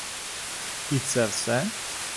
І це все?